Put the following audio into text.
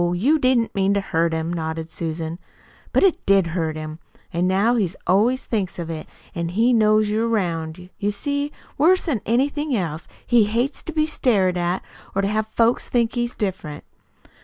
You didn't mean to hurt him," nodded Susan. "But it did hurt him. An' now he always thinks of it, if he knows you're 'round. You see, worse'n anything else, he hates to be stared at or to have folks think he's different.